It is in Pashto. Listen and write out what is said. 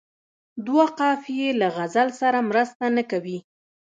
دوه قافیې له غزل سره مرسته نه کوي.